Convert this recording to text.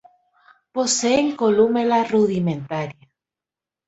Poseen "columela" rudimentaria.